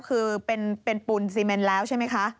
คือเป็นปูนซีเมนแล้วใช่ไหมคะ